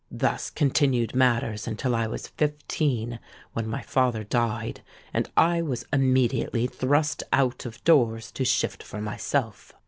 Thus continued matters until I was fifteen, when my father died; and I was immediately thrust out of doors to shift for myself.